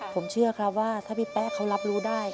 ผมเชื่อครับว่าถ้าพี่แป๊ะเขารับรู้ได้